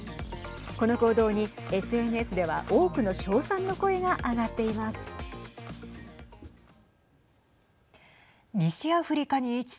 この行動にＳＮＳでは多くの称賛の声が上がっています。